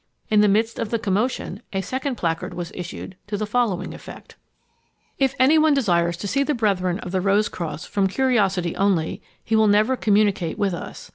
In the midst of the commotion, a second placard was issued to the following effect: "_If any one desires to see the brethren of the Rose cross from curiosity only, he will never communicate with us.